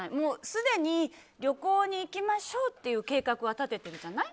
すでに旅行に行きましょうっていう計画は立ててるじゃない？